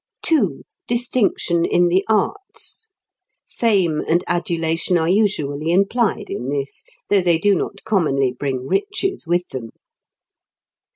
(2) Distinction in the arts. Fame and adulation are usually implied in this, though they do not commonly bring riches with them.